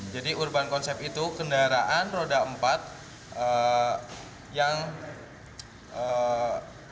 jadi urban concept itu kendaraan roda empat yang berkualitas